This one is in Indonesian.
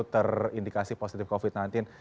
terindikasi positif covid sembilan belas